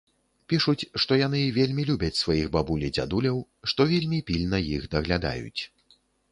Пішуць, што яны вельмі любяць сваіх бабуль і дзядуляў, што вельмі пільна іх даглядаюць.